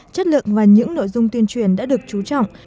chất lượng và những nội dung tuyên truyền đã được trú trọng